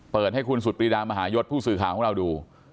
เปิดให้คุณสุฤษฎีรามหายศผู้สื่อขาของเราดู